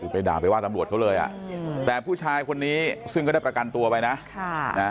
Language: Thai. ไปด่าไปว่าตำรวจเขาเลยอ่ะแต่ผู้ชายคนนี้ซึ่งก็ได้ประกันตัวไปนะ